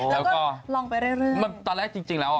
แล้วก็ตอนแรกจริงแล้ว